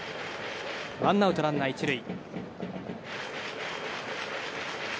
ワンアウトランナー１塁。